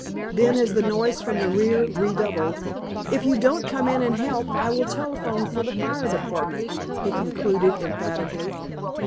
Then as the noise from the rear redoubled, "If you don't come in and help, I will telephone for the fire department," he concluded emphatically.